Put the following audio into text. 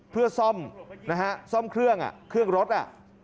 เพื่อซ่อมเครื่องอ่ะเครื่องรถอ่ะ